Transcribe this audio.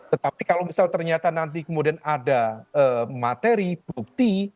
tetapi kalau misal ternyata nanti kemudian ada materi bukti